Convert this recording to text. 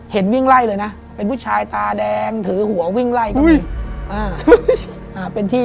เห็นวิ่งไล่เลยนะเป็นผู้ชายตาแดงถือหัววิ่งไล่กับมี